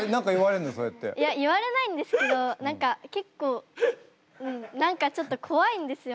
いや言われないんですけど何か結構何かちょっと怖いんですよ